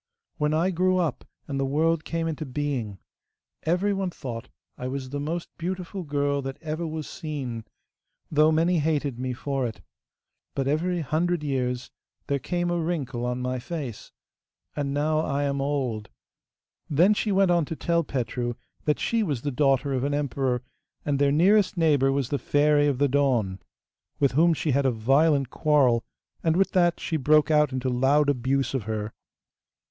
'When I grew up and the world came into being, everyone thought I was the most beautiful girl that ever was seen, though many hated me for it. But every hundred years there came a wrinkle on my face. And now I am old.' Then she went on to tell Petru that she was the daughter of an emperor, and their nearest neighbour was the Fairy of the Dawn, with whom she had a violent quarrel, and with that she broke out into loud abuse of her.